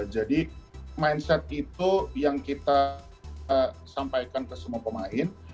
jadi mindset itu yang kita sampaikan ke semua pemain